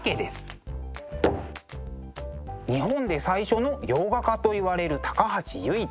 日本で最初の洋画家といわれる高橋由一。